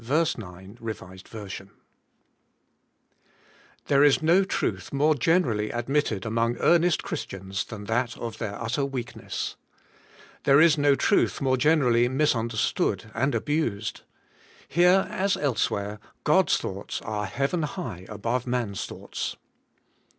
TIIEEE is no truth more generally admitted among earnest Christians than that of their ut ter weakness. There is no truth more generally misunderstood and abused. Here, as elsewhere, God's thoughts are heaven high above man's thoughts.